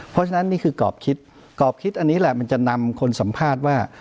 เพราะฉะนั้นนี่คือกรอบคิดกรอบคิดอันนี้แหละมันจะนำคนสัมภาษณ์ว่า